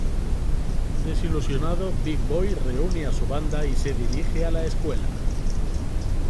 Desilusionado, Big Boi reúne a su banda y se dirige a la escuela.